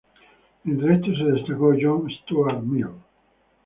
Entre esos se destacó John Stuart Mill.